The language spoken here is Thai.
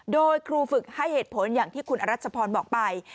โดยครูฝึกให้เหตุผลอย่างที่คุณอรัชพรบอกไป